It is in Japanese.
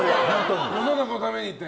世の中のためにって。